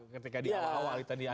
ketika di awal awal